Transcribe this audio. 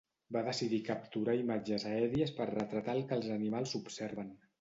Va decidir capturar imatges aèries per retratar el que els animals observen.